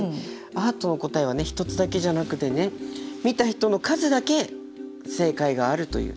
アートの答えはね一つだけじゃなくてね見た人の数だけ正解があるという。